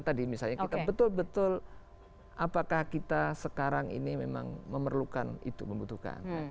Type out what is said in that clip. tadi misalnya kita betul betul apakah kita sekarang ini memang memerlukan itu membutuhkan